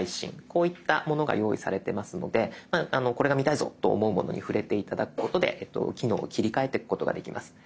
こういったものが用意されてますのでこれが見たいぞと思うものに触れて頂くことで機能を切り替えてくことができます。